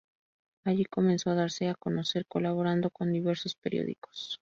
Allí comenzó a darse a conocer colaborando con diversos periódico.